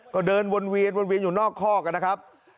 ก็เดินวนเวียนวนเวียนอยู่นอกคอกนะครับ